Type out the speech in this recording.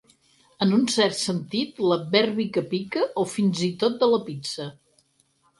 En un cert sentit, l'adverbi que pica, o fins i tot de la pizza.